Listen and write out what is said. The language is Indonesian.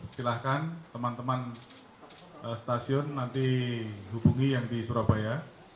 silahkan teman teman stasiun nanti hubungi yang di surabaya